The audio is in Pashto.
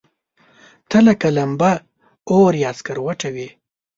ته لکه لمبه، اور يا سکروټه وې